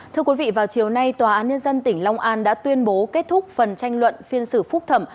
thưa quý vị vào chiều nay tòa án nhân dân tỉnh long an đã tuyên bố kết thúc phần tranh luận phiên xử phúc thẩm